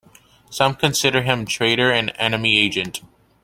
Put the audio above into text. Some consider him traitor and enemy agent.